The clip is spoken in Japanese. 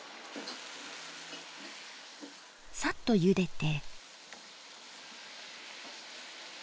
サッとゆでて。